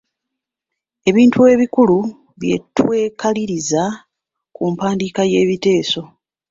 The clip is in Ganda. Ebintu ebikulu bye twekaliriza ku mpandiika y'ebiteeso.